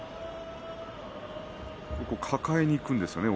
抱えにいくんですね